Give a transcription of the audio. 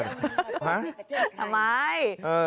ทำไม